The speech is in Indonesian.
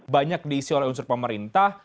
banyak diisi oleh unsur pemerintah